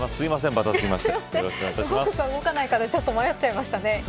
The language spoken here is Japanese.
動くか、動かないかで迷っちゃいましたね。